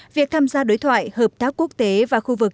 việc tham gia đối thoại hợp tác quốc tế và khu vực